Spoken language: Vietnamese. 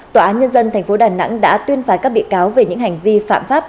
tòa án nhân dân tp đà nẵng đã tuyên phái các bị cáo về những hành vi phạm pháp